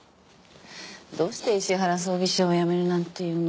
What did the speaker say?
どうして石原葬儀社を辞めるなんて言うの？